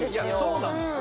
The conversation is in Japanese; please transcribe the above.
そうなんですよ